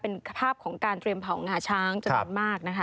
เป็นภาพของการเตรียมเผางาช้างจำนวนมากนะคะ